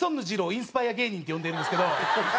インスパイア芸人って呼んでるんですけど。